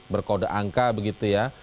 berkode angka begitu ya